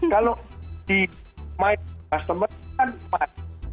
kalau di my customers kan mas